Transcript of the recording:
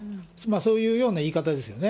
そういうような言い方ですよね。